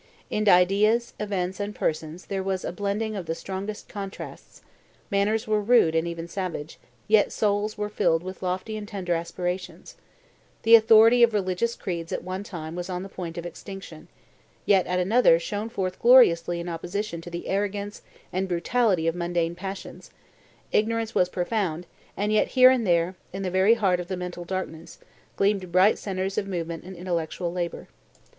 In ideas, events, and persons there was a blending of the strongest contrasts: manners were rude and even savage, yet souls were filled with lofty and tender aspirations; the authority of religious creeds at one time was on the point of extinction, yet at another shone forth gloriously in opposition to the arrogance and brutality of mundane passions; ignorance was profound, and yet here and there, in the very heart of the mental darkness, gleamed bright centres of movement and intellectual labor.